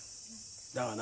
だがな